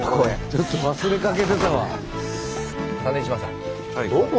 ちょっと忘れかけてたわ。